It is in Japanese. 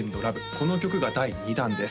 この曲が第２弾です